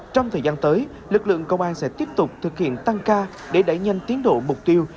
trong thời gian tới lực lượng công an sẽ tiếp tục thực hiện tăng ca để đẩy nhanh tiến độ mục tiêu